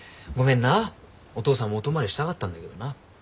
お父さんもお泊まりしたかったんだけどな。